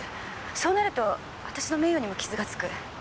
そうなると私の名誉にも傷が付く。